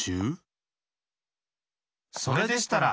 それでしたら！